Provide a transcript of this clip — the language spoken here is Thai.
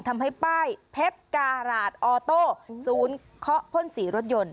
ทำให้ป้ายเพชรการาดออโต้ศูนย์เคาะพ่นสีรถยนต์